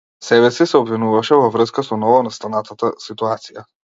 Себеси се обвинуваше во врска со новонастанатата ситуација.